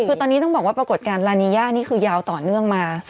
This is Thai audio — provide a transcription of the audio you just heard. คือตอนนี้ต้องบอกว่าปรากฏการณ์ลานีย่านี่คือยาวต่อเนื่องมา